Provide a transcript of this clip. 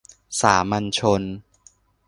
สามัญชน